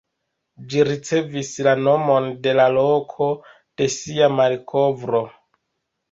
Ĝi ricevis la nomon de la loko de sia malkovro.